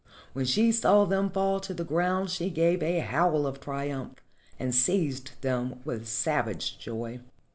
When she saw them fall to the ground she gave a howl of triumph and seized them with savage joy.